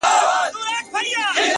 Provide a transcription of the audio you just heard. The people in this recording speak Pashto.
زما سره اوس لا هم د هغي بېوفا ياري ده ـ